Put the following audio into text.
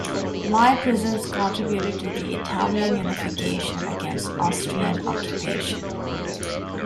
"My prisons" contributed to the Italian unification, against Austrian occupation.